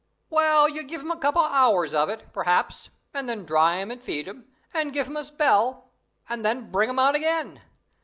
"Well, you give 'em a couple of hours of it, perhaps, and then dry them and feed them, and give them a spell, and then bring them out again.